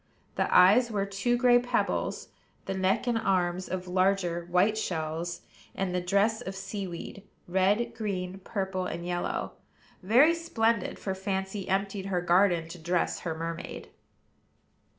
The eyes were two gray pebbles; the neck and arms of larger, white shells; and the dress of sea weed, red, green, purple, and yellow; very splendid, for Fancy emptied her garden to dress her mermaid.